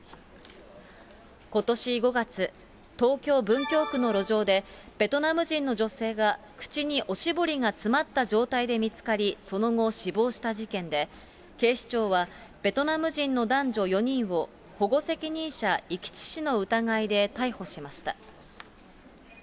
ことし５月、東京・文京区の路上で、ベトナム人の女性が口におしぼりが詰まった状態で見つかり、その後、死亡した事件で、警視庁は、ベトナム人の男女４人を保護責任者遺棄致死の疑いで逮捕しました。